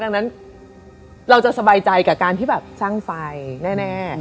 ดังนั้นเราจะสบายใจกับการที่แบบสร้างไฟแน่